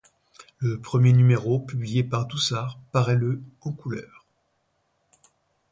Le premier numéro, publié par Doussard, paraît le en couleur.